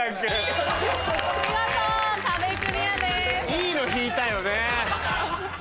いいの引いたよね。